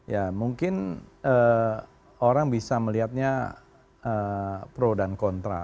ya mungkin orang bisa melihatnya pro dan kontra